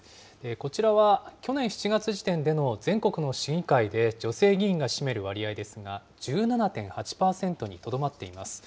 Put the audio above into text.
こちらは、去年７月時点での全国の市議会で女性議員が占める割合ですが、１７．８％にとどまっています。